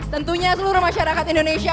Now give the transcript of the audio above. tentunya seluruh masyarakat indonesia